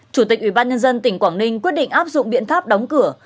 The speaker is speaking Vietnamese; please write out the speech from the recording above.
chủ tịch ủy ban nhân dân tỉnh quảng ninh quyết định áp dụng biện pháp đóng cửa